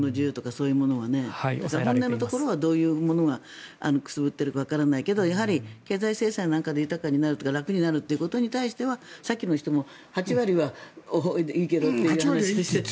どういうものが本音のところではくすぶっているかわからないけど経済制裁なんかで豊かになるとか楽になるということに対してはさっきの人も８割はいいけどって。